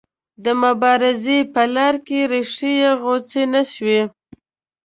د مبارزې په لاره کې ریښې یې غوڅې نه شوې.